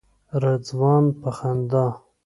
رضوان په خندا.